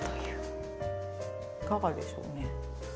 いかがでしょうね。